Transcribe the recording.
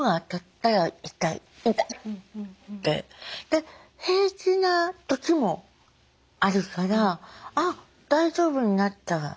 で平気なときもあるからあっ大丈夫になった